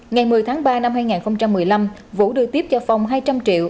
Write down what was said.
ngày một mươi tháng ba năm hai nghìn một mươi năm vũ đưa tiếp cho phong hai trăm linh triệu